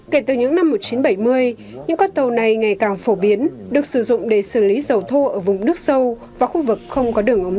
kể từ những năm một nghìn chín trăm bảy mươi những con tàu này ngày càng phổ biến được sử dụng để xử lý dầu thô ở vùng nước sâu và khu vực không có đường ống